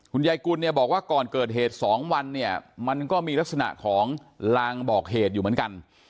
นายกุลเนี่ยบอกว่าก่อนเกิดเหตุ๒วันเนี่ยมันก็มีลักษณะของลางบอกเหตุอยู่เหมือนกัน